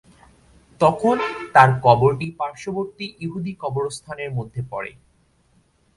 তখন তার কবরটি পার্শ্ববর্তী ইহুদি কবরস্থানের মধ্যে পড়ে।